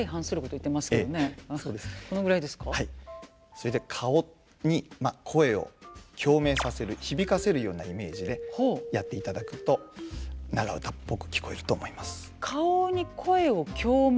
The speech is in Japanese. それで顔に声を共鳴させる響かせるようなイメージでやっていただくと長唄っぽく聞こえると思います。